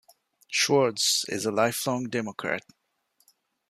Schwartz is a lifelong Democrat.